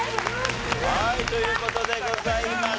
はいという事でございました。